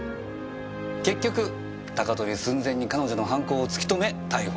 結局高飛び寸前に彼女の犯行を突き止め逮捕したってわけだ。